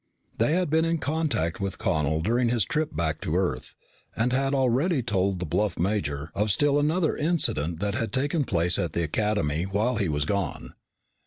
They had been in contact with Connel during his trip back to Earth and had already told the bluff major of still another incident that had taken place at the Academy while he was gone.